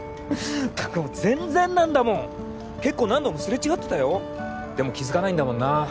全然なんだもん結構何度もすれ違ってたよでも気付かないんだもんなあ